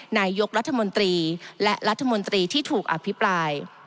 นายกรัฐมนตรีและรัฐมนตรีที่ถูกอภิปราย